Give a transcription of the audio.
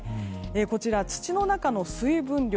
こちら、土の中の水分量。